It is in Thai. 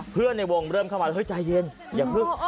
เพื่อนในวงเริ่มเข้ามาเฮ้ยใจเย็นอย่าคึก